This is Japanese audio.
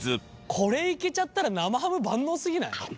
これいけちゃったら生ハム万能すぎない？